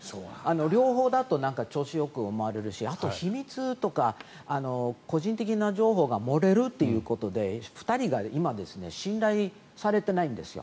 両方だと調子よく思われるし秘密とか個人的な情報が漏れるということで２人が今信頼されてないんですよ。